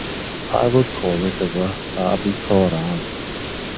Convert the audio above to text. I would call it a Wahhabi Koran.